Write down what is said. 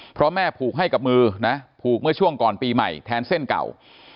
เพราะแม่ผูกให้กับมือนะผูกเมื่อช่วงก่อนปีใหม่แทนเส้นเก่า